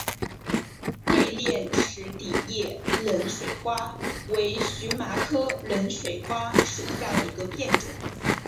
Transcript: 锐裂齿顶叶冷水花为荨麻科冷水花属下的一个变种。